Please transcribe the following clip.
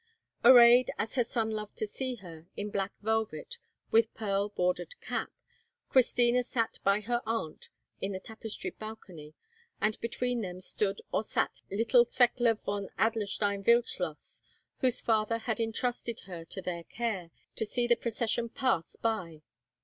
Arrayed, as her sons loved to see her, in black velvet, and with pearl bordered cap, Christina sat by her aunt in the tapestried balcony, and between them stood or sat little Thekla von Adlerstein Wildschloss, whose father had entrusted her to their care, to see the procession pass by.